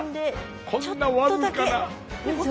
こんな僅かな。